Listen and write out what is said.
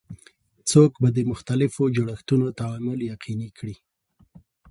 څوک به د مختلفو جوړښتونو تعامل یقیني کړي؟